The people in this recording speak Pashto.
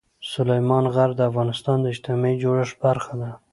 سلیمان غر د افغانستان د اجتماعي جوړښت برخه ده.